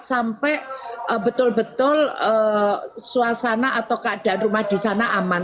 sampai betul betul suasana atau keadaan rumah di sana aman